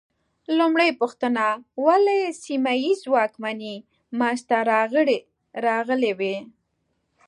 لومړۍ پوښتنه: ولې سیمه ییزې واکمنۍ منځ ته راغلې وې؟